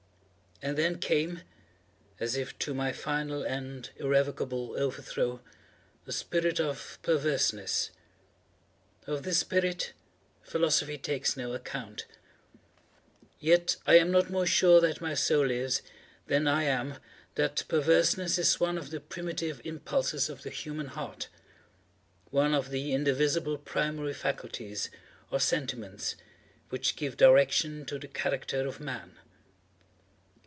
And then came, as if to my final and irrevocable overthrow, the spirit of PERVERSENESS. Of this spirit philosophy takes no account. Yet I am not more sure that my soul lives, than I am that perverseness is one of the primitive impulses of the human heart—one of the indivisible primary faculties, or sentiments, which give direction to the character of Man.